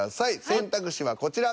選択肢はこちら。